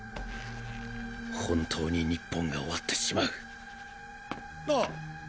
本当に日本が終わってしまうあ！